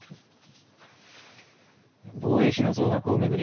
防衛費の増額を巡り